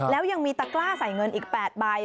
แล้วยังมีตะกล้าใส่เงินอีก๘ใบ